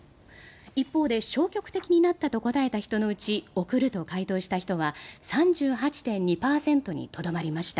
一方で消極的になったと答えた人のうち贈ると回答した人は３８．２％にとどまりました。